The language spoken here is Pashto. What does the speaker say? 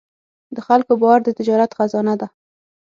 د خلکو باور د تجارت خزانه ده.